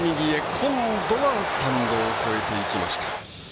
今度はスタンド越えていきました。